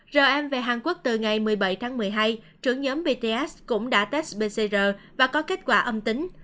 rm về hàn quốc từ ngày một mươi bảy tháng một mươi hai trưởng nhóm bts cũng đã test pcr và có kết quả âm tính